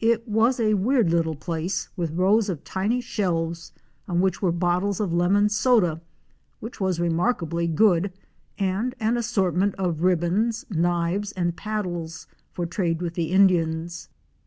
It was a weird little place with rows of tiny shelves on which were bottles of lemon soda which was remarkably good, and an assortment of ribbons, knives and paddles for trade with the Indians.